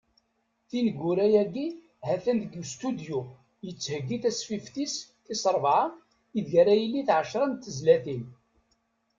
Tineggura-agi, ha-t-an deg ustudyu, yettheggi tasfift-is tis rebɛa, ideg ara ilit ɛecra n tezlatin.